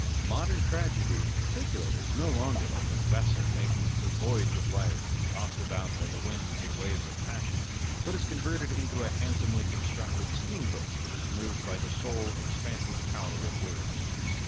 Modern tragedy, in particular, is no longer like a vessel making the voyage of life, and tossed about by the winds and waves of passion, but is converted into a handsomely constructed steamboat that is moved by the sole expansive power of words.